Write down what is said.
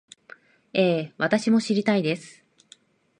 ええ、私も知りたいです